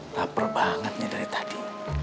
laper banget ini dari tadi